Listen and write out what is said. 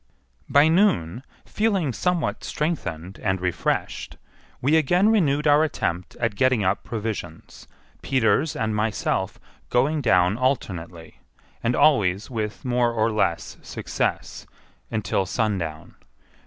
By noon, feeling somewhat strengthened and refreshed, we again renewed our attempt at getting up provisions, Peters and myself going down alternately, and always with more or less success, until sundown.